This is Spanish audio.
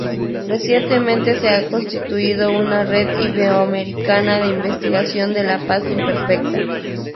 Recientemente se ha constituido una Red Iberoamericana de Investigación de la Paz Imperfecta.